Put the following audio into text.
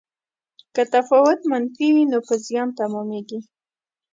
که تفاوت منفي وي نو په زیان تمامیږي.